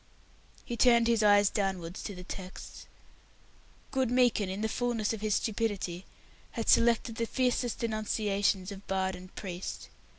He turned his eyes downwards to the texts. Good Meekin, in the fullness of his stupidity, had selected the fiercest denunciations of bard and priest.